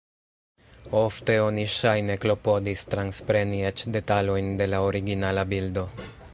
Ofte oni ŝajne klopodis transpreni eĉ detalojn de la originala bildo.